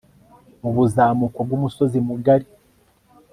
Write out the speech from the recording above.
mubuzamuko bw' umusozi mugari